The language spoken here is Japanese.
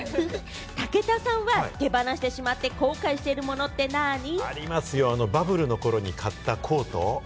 武田さんは、手放してしまって後悔しているものってなぁに？ありますよ、バブルの頃に買ったコート。